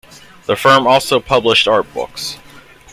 The firm also published art books.